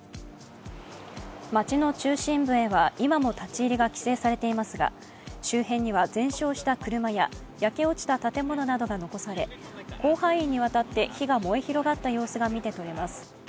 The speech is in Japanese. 町の中心部へは今も立ち入りが規制されていますが周辺には全焼した車や焼け落ちた建物などが残され広範囲にわたって火が燃え広がった様子が見て取れます。